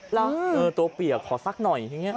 เหรอตัวเปียกขอซักหน่อยอย่างนี้